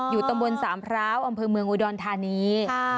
อยู่ตรงบนสามท้าวอำเพลิงเมืองอุด่อนทานี